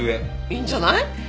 いいんじゃない？